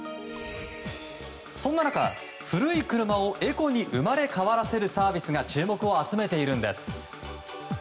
そんな中、古い車をエコに生まれ変わらせるサービスが注目を集めているんです。